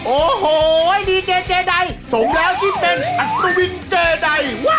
โอ้โฮเดียเซแดยสงเรากินเป็นอสทวินเจ๊ได